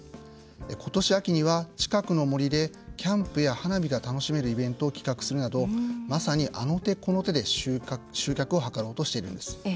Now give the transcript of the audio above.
ことし秋には近くの森でキャンプや花火が楽しめるイベントを企画するなどまさにあの手この手で集客を図ろうとしているんです。